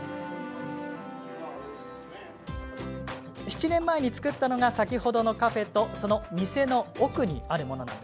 ７年前に作ったのが先ほどのカフェとその店の奥にあるもの。